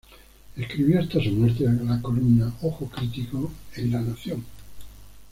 Escribió hasta su muerte la columna "Ojo crítico" en La Nación.